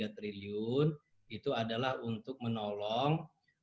dua ratus tiga triliun itu adalah untuk menolong